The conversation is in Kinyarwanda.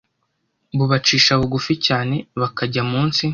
bubacisha bugufi cyane bakajya munsi